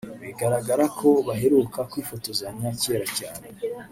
bigaragara ko baheruka kwifotozanya cyera cyane